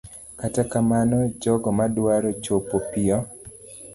Kata kamano, jogo madwaro chopo piyo